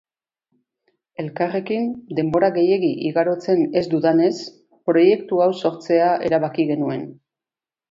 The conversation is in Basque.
Elkarrekin denbora gehiegi igarotzen ez dudanez, proiektu hau sortzea erabki genuen.